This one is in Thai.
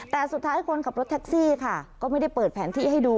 แต่สุดท้ายคนขับรถแท็กซี่ค่ะก็ไม่ได้เปิดแผนที่ให้ดู